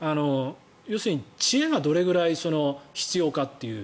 要するに知恵がどれくらい必要かという。